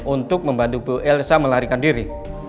untuk membantu bu elsa melarikan diri